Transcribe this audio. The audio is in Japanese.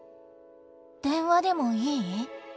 電話でもいい？